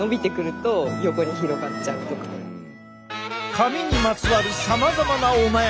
髪にまつわるさまざまなお悩み。